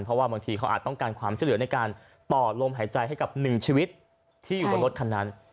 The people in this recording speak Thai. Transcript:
เพราะว่าบางทีเขาอาจต้องการความช่วยเหลือในการต่อลมหายใจให้กับหนึ่งชีวิตที่อยู่บนรถคันนั้น